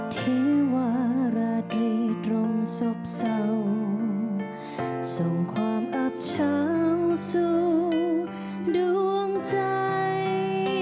เทวาราตรีตรงศพเศร้าส่งความอับเช้าสู่ดวงใจ